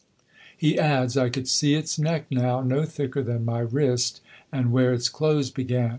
He adds, "I could see its neck now, no thicker than my wrist; and where its clothes began.